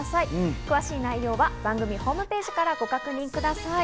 詳しい内容は番組ホームページからご確認ください。